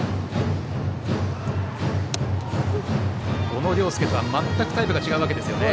小野涼介とは全くタイプが違うんですよね。